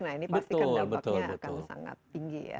nah ini pasti dapatnya akan sangat tinggi ya